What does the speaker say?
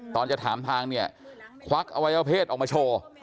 ตอนจะถามทางเนี่ยควักอวัยวเพศออกมาโชว์